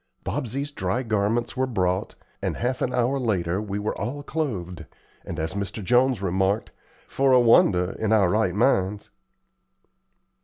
Bobsey's dry garments were brought, and half an hour later we were all clothed, and, as Mr. Jones remarked, "For a wonder, in our right minds."